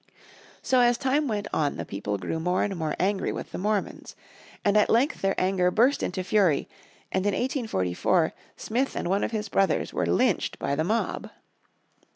So as time went on the people grew more and more angry with the Mormons. And at length their anger burst into fury, and, in 1844, Smith and one of his brothers were lynched by the mob.